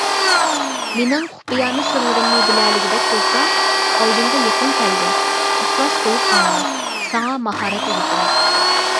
مېنىڭ خۇپىيانە سىرلىرىمنى بىلەلىگۈدەك بولساڭ ئالدىمغا يېقىن كەلگىن، ئىخلاس قويۇپ ئاڭلا، ساڭا ماھارەت ئۆگىتەي.